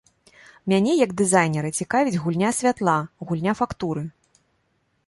Мяне, як дызайнера, цікавіць гульня святла, гульня фактуры.